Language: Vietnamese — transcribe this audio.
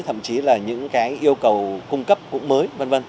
thậm chí là những cái yêu cầu cung cấp cũng mới v v